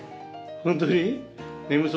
本当に？